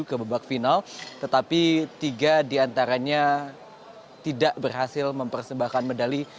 kebebak final tetapi tiga diantaranya tidak berhasil mempersembahkan medali